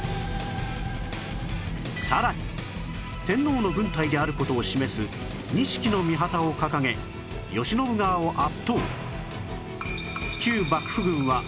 さらに天皇の軍隊である事を示す錦の御旗を掲げ慶喜側を圧倒